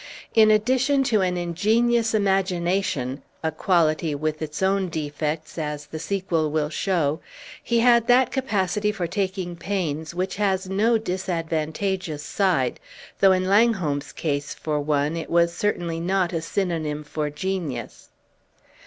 In addition to an ingenious imagination (a quality with its own defects, as the sequel will show), he had that capacity for taking pains which has no disadvantageous side, though in Langholm's case, for one, it was certainly not a synonym for genius.